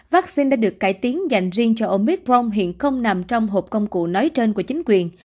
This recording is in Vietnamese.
vaccine đã được cải tiến dành riêng cho ông micron hiện không nằm trong hộp công cụ nói trên của chính quyền